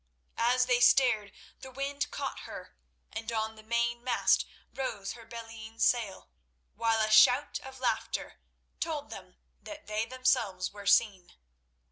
As they stared the wind caught her, and on the main mast rose her bellying sail, while a shout of laughter told them that they themselves were seen.